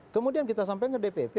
kemudian kita sampai ke dpd